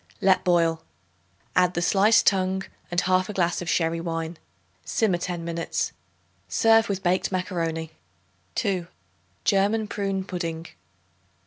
Let boil. Add the sliced tongue, and 1/2 glass of sherry wine. Simmer ten minutes. Serve with baked macaroni. 2. German Prune Pudding.